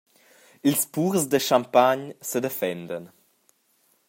Ils purs da Champagne sedefendan.